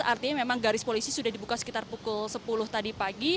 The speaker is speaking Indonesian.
artinya memang garis polisi sudah dibuka sekitar pukul sepuluh tadi pagi